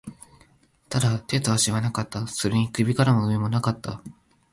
ただ、手と足はなかった。それに首から上も無かった。